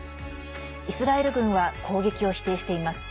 イスラエル軍は攻撃を否定しています。